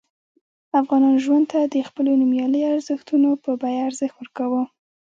افغانانو ژوند ته د خپلو نوميالیو ارزښتونو په بیه ارزښت ورکاوه.